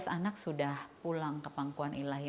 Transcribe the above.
tujuh belas anak sudah pulang ke pangkuan ilahi